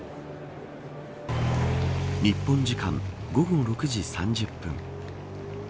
日本時間午後６時３０分